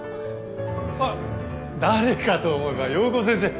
あっ誰かと思えば陽子先生。